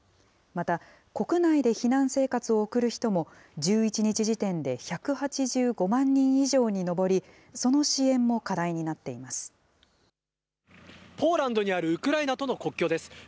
また、国内で避難生活を送る人も、１１日時点で１８５万人以上に上り、その支援も課題になっていまポーランドにあるウクライナとの国境です。